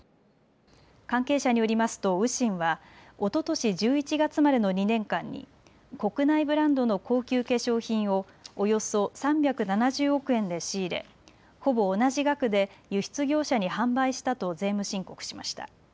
関係者によりますと雨辰はおととし１１月までの２年間に国内ブランドの高級化粧品をおよそ３７０億円で仕入れほぼ同じ額で輸出業者に販売したと税務申告しました。